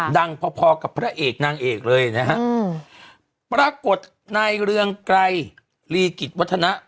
ดังพอกับพระเอกนางเอกเลยนะครับปรากฏในเรื่องไกลลีกิจวัฒนะ